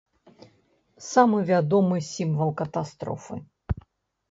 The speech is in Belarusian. Самы вядомы сімвал катастрофы.